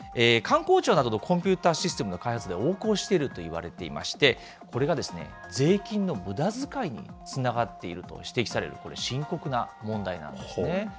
官公庁などのコンピューターシステムの開発で横行しているといわれていまして、これが税金のむだづかいにつながっていると指摘されるこれ、深刻な問題なんですね。